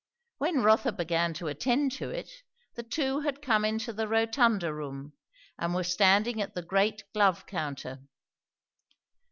When Rotha began to attend to it, the two had come into the rotunda room and were standing at the great glove counter.